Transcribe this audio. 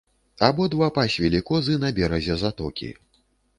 Абодва пасвілі козы на беразе затокі.